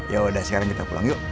yaudah sekarang kita pulang yuk